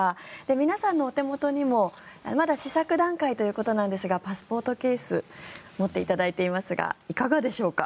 皆さんのお手元にもまだ試作段階ということですがパスポートケース持っていただいていますがいかがでしょうか？